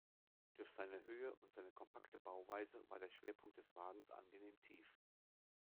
Durch seine Höhe und seine kompakte Bauweise war der Schwerpunkt des Wagens angenehm tief.